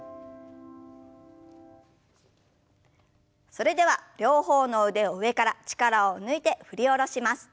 それでは両方の腕を上から力を抜いて振り下ろします。